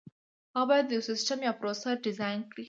هغه باید یو سیسټم یا پروسه ډیزاین کړي.